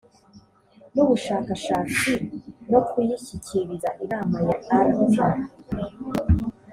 n ubushakashatsi no kuyishyikiriza inama ya rp